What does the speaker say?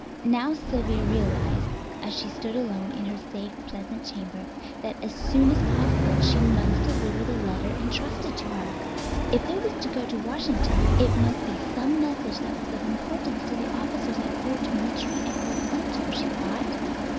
Now Sylvia realized, as she stood alone in her safe, pleasant chamber, that as soon as possible she must deliver the letter entrusted to her. If it was to go to Washington it must be some message that was of importance to the officers at Fort Moultrie and Fort Sumter, she thought.